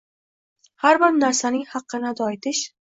har bir narsaning haqqini ado etish